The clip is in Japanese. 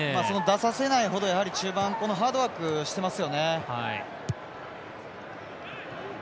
出させないほど、やはり中盤、ハードワークしてますよね。